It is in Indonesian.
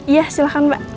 iya silahkan mbak